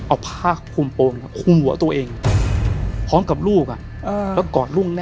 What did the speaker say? ออกผ้ากุมโปรงกุมหัวตัวเองพร้อมกับลูก